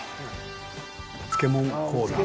漬物コーナー。